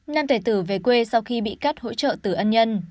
nam tài tử về quê sau khi bị cắt hỗ trợ tử ân nhân